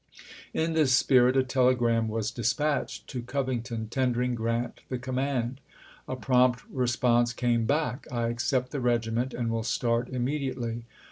In this spirit, a telegram was dispatched to Cov ington tendering Grant the command. A prompt response came back: "I accept the regiment and will start immediately."